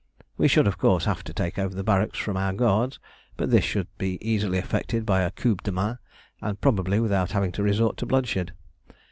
We should, of course, have to take over the barracks from our guards, but this should be easily effected by a coup de main, and probably without having to resort to bloodshed.